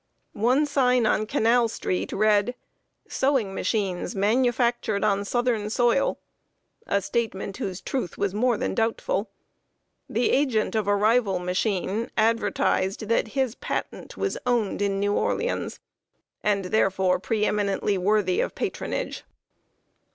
One sign on Canal street read, "Sewing Machines manufactured on Southern Soil" a statement whose truth was more than doubtful. The agent of a rival machine advertised that his patent was owned in New Orleans, and, therefore, pre eminently worthy of patronage.